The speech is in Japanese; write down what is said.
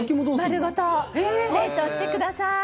丸ごと冷凍してください。